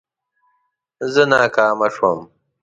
زه ناکامه شوم